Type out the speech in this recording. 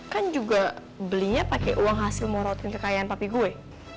kan juga belinya pakai uang hasil morotin kekayaan papi gue